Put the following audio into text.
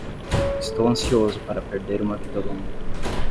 Estou ansioso para perder uma vida longa.